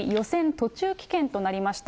途中棄権となりました。